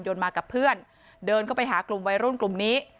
มากับเพื่อนเดินเข้าไปหากลุ่มวัยรุ่นกลุ่มนี้